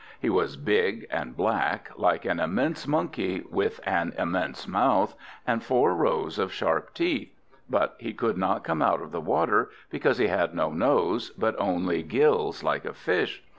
He was big and black, like an immense monkey, with an immense mouth, and four rows of sharp teeth; but he could not come out of the water, because he had no nose, but only gills like a fish.